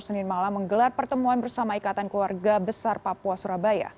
senin malam menggelar pertemuan bersama ikatan keluarga besar papua surabaya